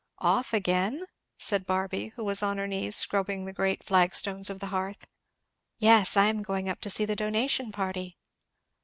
"Off again?" said Barby, who was on her knees scrubbing the great flag stones of the hearth. "Yes, I am going up to see the donation party."